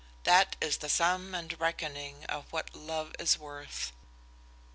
That is the sum and reckoning of what love is worth.